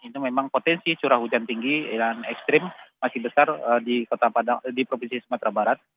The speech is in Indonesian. itu memang potensi curah hujan tinggi dan ekstrim masih besar di provinsi sumatera barat